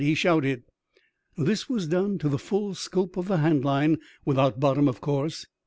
*' he shouted. This was done, to the full scope of the handline, withont bottom, of course.